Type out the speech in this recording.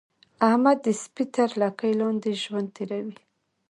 احمد د سپي تر لګۍ لاندې ژوند تېروي.